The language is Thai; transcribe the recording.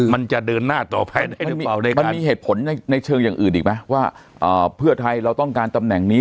มันมีเหตุผลในเชิงอย่างอื่นอีกมั้ยว่าเพื่อไทยเราต้องการตำแหน่งนี้